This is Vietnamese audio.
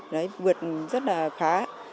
đấy vượt rất là khá